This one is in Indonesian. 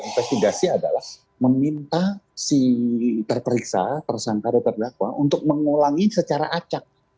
satu teknik di dalam investidasi adalah meminta si terperiksa tersangkara terdakwa untuk mengulangi secara acak